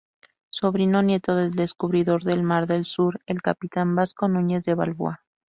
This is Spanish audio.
Sobrino nieto del descubridor del Mar del Sur, el capitán Vasco Núñez de Balboa.